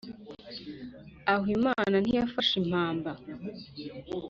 aho imana ntiyafashe impamba